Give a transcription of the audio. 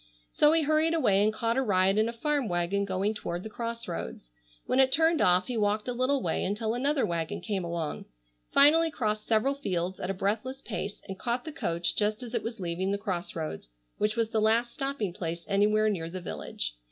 So he hurried away and caught a ride in a farm wagon going toward the Cross Roads. When it turned off he walked a little way until another wagon came along; finally crossed several fields at a breathless pace and caught the coach just as it was leaving the Cross Roads, which was the last stopping place anywhere near the village.